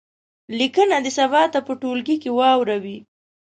لیکنه دې سبا ته په ټولګي کې واوروي.